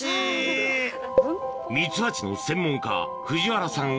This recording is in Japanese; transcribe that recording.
ミツバチの専門家藤原さん